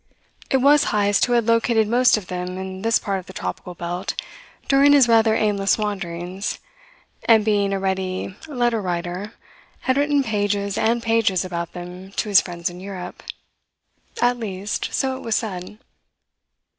It was Heyst who had located most of them in this part of the tropical belt during his rather aimless wanderings, and being a ready letter writer had written pages and pages about them to his friends in Europe. At least, so it was said.